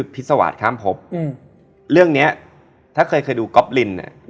พิษวาสตข้ามพบเรื่องเนี้ยถ้าเคยเคยดูก๊อปลินเนี่ย